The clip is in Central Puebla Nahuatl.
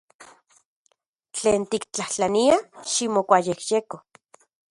Tlen tiktlajtlania, ximokuayejyeko.